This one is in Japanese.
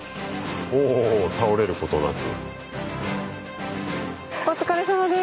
おお倒れることなく。